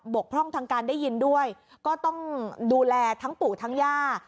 กพร่องทางการได้ยินด้วยก็ต้องดูแลทั้งปู่ทั้งย่า